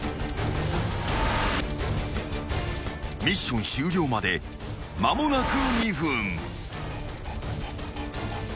［ミッション終了まで間もなく２分］